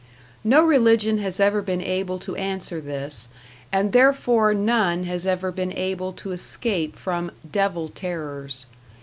No religion has ever been able to answer this, and therefore none has ever been able to escape from devil terrors.